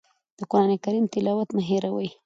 د قرآن کریم تلاوت مه هېروئ.